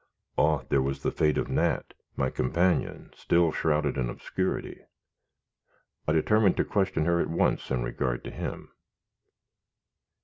Ah! there was the fate of Nat, my companion, still shrouded in obscurity. I determined to question her at once in regard to him.